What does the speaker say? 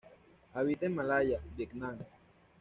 Habita en Malaya, Vietnam.